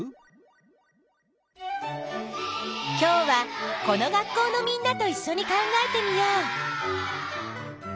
今日はこの学校のみんなといっしょに考えてみよう。